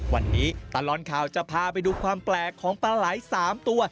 วันนี้ตลอดข่าวจะพาไปดูความแปลกของปลาไหล่๓ตัว